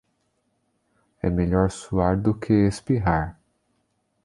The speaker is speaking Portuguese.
É melhor suar do que espirrar.